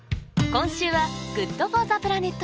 今週はＧｏｏｄＦｏｒｔｈｅＰｌａｎｅｔ